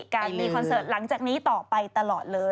การมีคอนเสิร์ตหลังจากนี้ต่อไปตลอดเลย